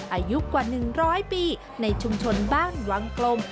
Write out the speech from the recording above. อายุกว่า๑๐๐ปีในชุมชนบ้านวังกลม